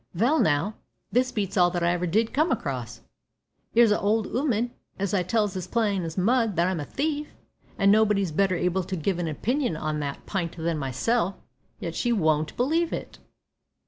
"Vel now, this beats all that I ever did come across. 'Ere's a old 'ooman as I tells as plain as mud that I'm a thief, an' nobody's better able to give a opinion on that pint than myself, yet she won't believe it!"